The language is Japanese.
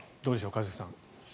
一茂さん。